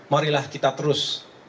marilah kita terus